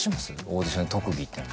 オーディションで特技ってなったら。